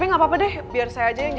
gak pernah menerima kekalahan lo